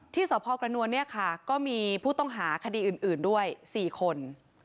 ที่สพกระนวลก็มีผู้ต้องหาคดีอื่นด้วย๔คน